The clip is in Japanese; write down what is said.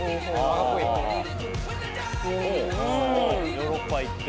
ヨーロッパ行って。